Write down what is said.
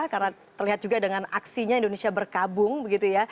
karena terlihat juga dengan aksinya indonesia berkabung begitu ya